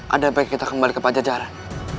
ada baik kita kembali ke pajajaran